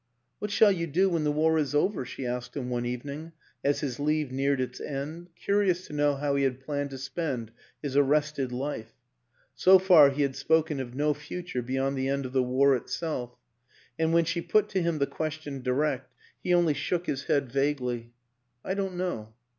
"What shall you do when the war is over?" she asked him one evening as his leave neared its end, curious to know how he had planned to spend his arrested life. So far he had spoken of no future beyond the end of the war itself; and when she put to him the question direct he only shook his head vaguely. " I don't know.